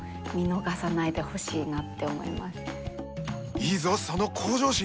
いいぞその向上心！